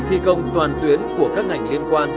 thi công toàn tuyến của các ngành liên quan